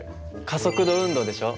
加速度運動でしょ。